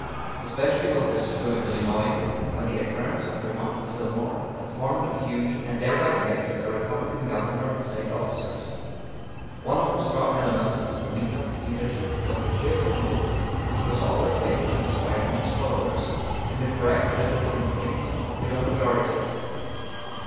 Especially was this true in Illinois, where the adherents of Frémont and Fillmore had formed a fusion, and thereby elected a Republican governor and State officers. One of the strong elements of Mr. Lincoln's leadership was the cheerful hope he was always able to inspire in his followers, and his abiding faith in the correct political instincts of popular majorities.